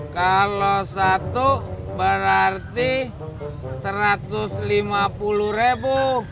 kalau satu berarti rp satu ratus lima puluh